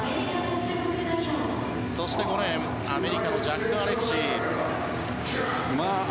そして５レーン、アメリカのジャック・アレクシー。